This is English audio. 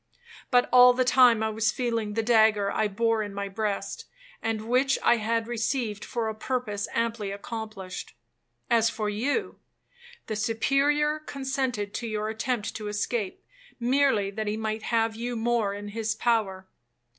But all the time I was feeling the dagger I bore in my breast, and which I had received for a purpose amply accomplished. As for you,—the Superior consented to your attempt to escape, merely that he might have you more in his power.